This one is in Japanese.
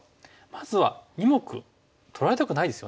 まずは２目取られたくないですよね。